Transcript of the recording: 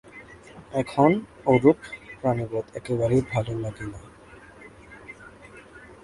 এখন ও-রূপ প্রাণিবধ একেবারেই ভাল লাগে না।